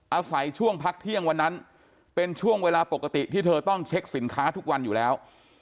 อาศัยช่วงพักเที่ยงวันนั้นเป็นช่วงเวลาปกติที่เธอต้องเช็คสินค้าทุกวันอยู่แล้ว